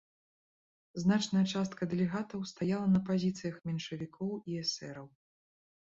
Значная частка дэлегатаў стаяла на пазіцыях меншавікоў і эсэраў.